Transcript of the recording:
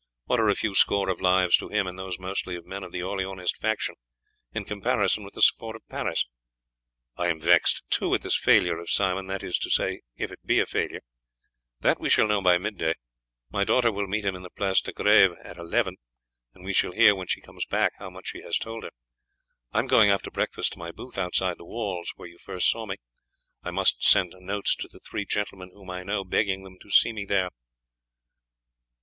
What are a few score of lives to him, and those mostly of men of the Orleanist faction, in comparison with the support of Paris? I am vexed, too, at this failure of Simon, that is to say, if it be a failure. That we shall know by mid day. My daughter will meet him in the Place de Grève at eleven, and we shall hear when she comes back how much he has told her. I am going after breakfast to my booth outside the walls, where you first saw me. I must send notes to the three gentlemen whom I know, begging them to see me there."